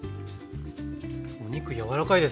お肉柔らかいです。